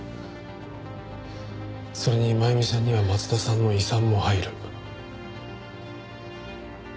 それに真弓さんには松田さんの遺産も入る。